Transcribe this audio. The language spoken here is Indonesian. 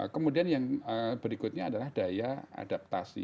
kemudian yang berikutnya adalah daya adaptasi